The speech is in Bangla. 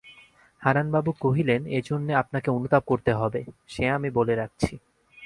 হারানবাবু কহিলেন, এজন্যে আপনাকে অনুতাপ করতে হবে– সে আমি বলে রাখছি।